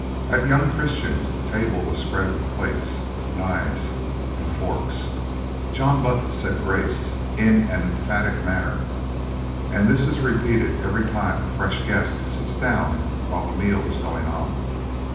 At young Christian's, the table was spread with plates, knives and forks. John Buffet said grace in an emphatic manner, and this is repeated every time a fresh guest sits down while the meal is going on.